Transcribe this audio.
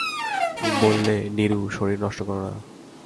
বললে, নীরু, শরীর নষ্ট কোরো না।